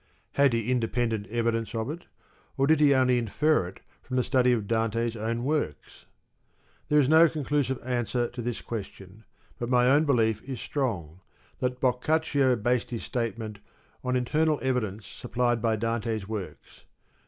Had he independent evidence of it, or did he only infer it from the study of Dante's own works ? There is no conclusive answer to this question, but my own belief is strong, that Boccaccio based his statement on internal evidence supplied by Dante's works.